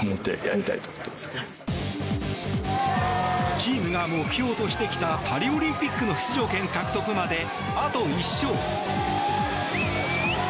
チームが目標としてきたパリオリンピックの出場権獲得まで、あと１勝。